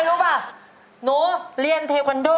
ฉันเลียนเทควันโด